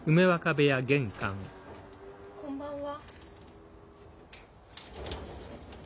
こんばんは。